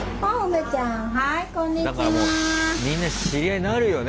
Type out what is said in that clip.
だからもうみんな知り合いになるよね。